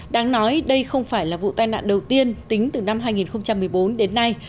đáng nói đây không phải là vụ tai nạn đầu tiên tính từ năm hai nghìn một mươi bốn đến nay